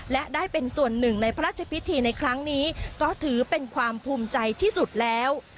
และได้เป็นส่วนหนึ่งในพระราชพิธีในครั้งนี้ก็ถือเป็นความภูมิใจที่สุดแล้ว